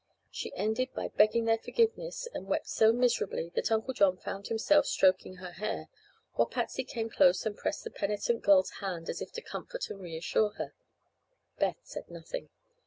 She ended by begging their forgiveness, and wept so miserably that Uncle John found himself stroking her hair while Patsy came close and pressed the penitent girl's hand as if to comfort and reassure her. Beth said nothing.